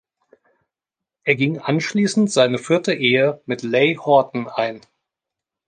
Er ging anschließend seine vierte Ehe mit Leigh Horton ein.